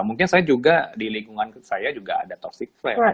mungkin saya juga di lingkungan saya juga ada toxic friend